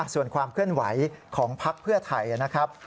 ส่วนความเคลื่อนไหวของพักเพื่อไทยนะครับ